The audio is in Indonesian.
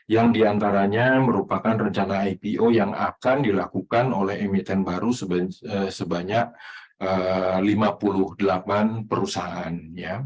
yang diantaranya merupakan rencana ipo yang akan dilakukan oleh emiten baru sebanyak lima puluh delapan perusahaan